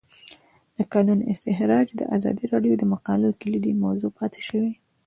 د کانونو استخراج د ازادي راډیو د مقالو کلیدي موضوع پاتې شوی.